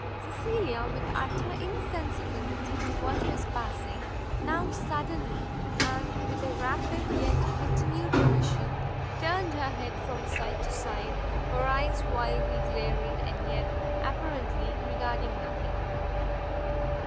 Cecilia, with utter insensibility to what was passing, now suddenly, and with a rapid yet continued motion, turned her head from side to side, her eyes wildly glaring, and yet apparently regarding nothing.